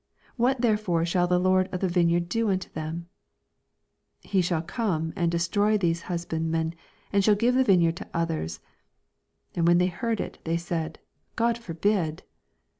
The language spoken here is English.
What therefore shall the lord of the vine yard do unto them ? 16 He shall come and destroy these husbandmen, and shall give the vine yard to others. And when they heard Uy they said, God forbid.